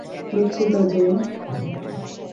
দুঃখিত, জেন।